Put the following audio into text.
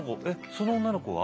その女の子は？